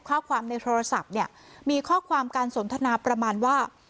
ข้อความในโทรศัพท์เนี่ยมีข้อความการสนทนาประมาณว่า